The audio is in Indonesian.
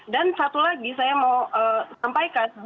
dan satu lagi saya mau sampaikan